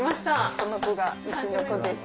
この子がうちの子です。